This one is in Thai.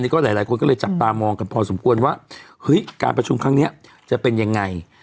ก็เลยก็จะตามมองกันพอสมควรว่าการประชุมตั้งนี้จะเป็นยังไง